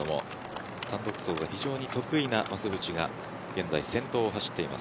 単独走が非常に得意の増渕が先頭を走っています。